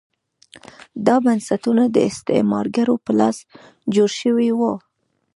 دا بنسټونه د استعمارګرو په لاس جوړ شوي وو.